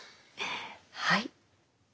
はい。